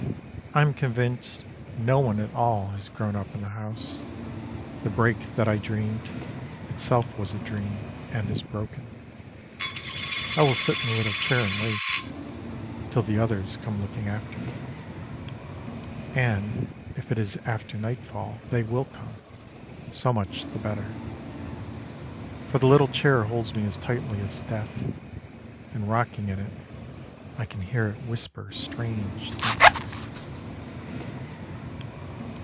I am convinced no one at all has grown up in the house, The break that I dreamed, itself was a dream and is broken. I will sit in the little chair and wait, Till the others come looking after me. And if it is after nightfall they will come, So much the better. For the little chair holds me as tightly as death; And rocking in it, I can hear it whisper strange things.